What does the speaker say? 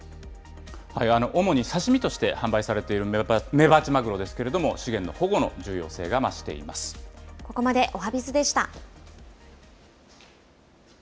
主に刺身として販売されているメバチマグロですけれども、資ここまでおはＢｉｚでした。